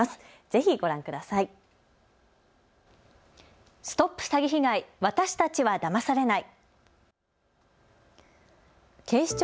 ぜひご覧ください。